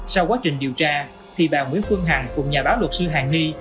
sau quá trình điều tra thì bà nguyễn phương hằng cùng nhà báo luật sư hàng ni